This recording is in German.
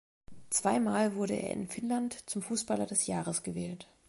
Zwei Mal wurde er in Finnland zum Fußballer des Jahres gewählt.